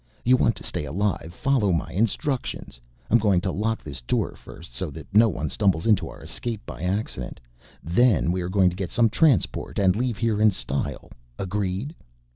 You want to stay alive follow my instructions. I'm going to lock this door first so that no one stumbles onto our escape by accident. Then we are going to get some transport and leave here in style. Agreed?"